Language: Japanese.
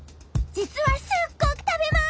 じつはすっごくたべます！